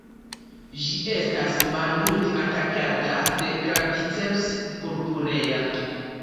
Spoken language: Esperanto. Ĝi estas malmulte atakata de "Claviceps purpurea".